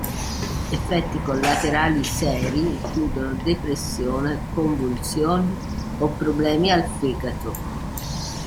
Effetti collaterali seri includono depressione, convulsioni o problemi al fegato.